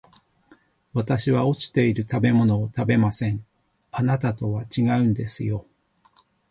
私は落ちている食べ物を食べません、あなたとは違うんですよ